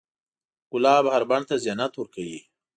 ګلاب هر بڼ ته زینت ورکوي.